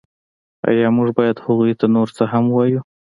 ایا موږ باید هغوی ته نور څه هم ووایو